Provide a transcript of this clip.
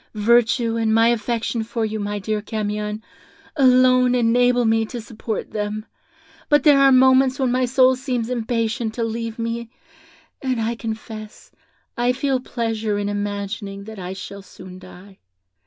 Virtue, and my affection for you, my dear Camion, alone enable me to support them; but there are moments when my soul seems impatient to leave me, and I confess I feel pleasure in imagining that I shall soon die.